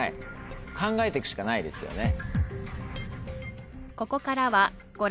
考えて行くしかないですよね。